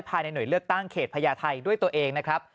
ภายในหน่วยเลือกตั้งเขตพญาไทยด้วยตัวเองนะครับ